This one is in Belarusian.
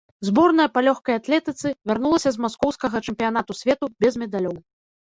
Зборная па лёгкай атлетыцы вярнулася з маскоўскага чэмпіянату свету без медалёў.